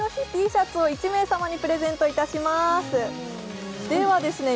Ｔシャツを１名様にプレゼントいたしまーすではですね